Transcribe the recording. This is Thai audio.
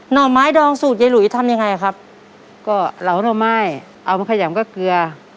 ่อไม้ดองสูตรยายหลุยทำยังไงครับก็เหลาหน่อไม้เอามาขยำกับเกลือ